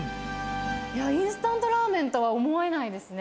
いや、インスタントラーメンとは思えないですね。